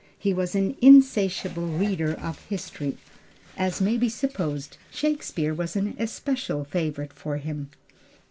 He was an insatiable reader of history. As may be supposed Shakespeare was an especial favorite with him.